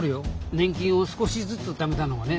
年金を少しずつためたのがね。